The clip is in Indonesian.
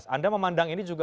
anda memandang ini juga